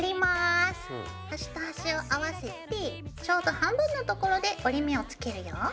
端と端を合わせてちょうど半分のところで折り目をつけるよ。